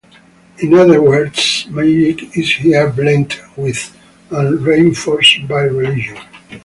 In other words, magic is here blent with and reinforced by religion.